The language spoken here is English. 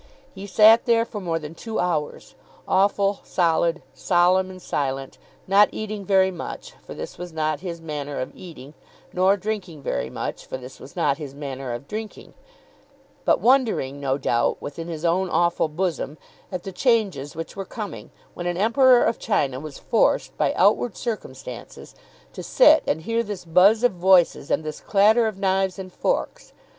He sat there for more than two hours, awful, solid, solemn, and silent, not eating very much, for this was not his manner of eating; nor drinking very much, for this was not his manner of drinking; but wondering, no doubt, within his own awful bosom, at the changes which were coming when an Emperor of China was forced, by outward circumstances, to sit and hear this buzz of voices and this clatter of knives and forks.